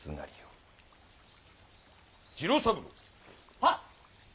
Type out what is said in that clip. はっ！